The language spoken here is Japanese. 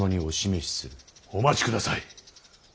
お待ちください。